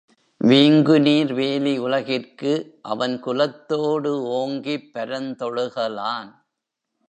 வீங்குநீர் வேலி உலகிற்கு அவன் குலத்தோடு ஓங்கிப் பரந்தொழுக லான்.